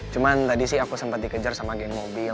cuman tadi sih aku sempet dikejar sama geng mobil